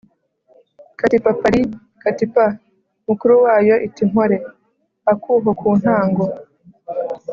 Kati papari kati pa, mukuru wayo iti mpore-Akuho ku ntango.